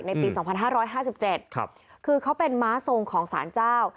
ปี๒๕๕๗คือเขาเป็นม้าทรงของสารเจ้า